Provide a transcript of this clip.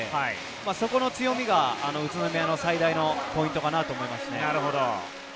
そこの強みが宇都宮の最大のポイントかなと思います。